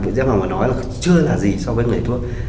chị giang hằng nói là chưa là gì so với người thuốc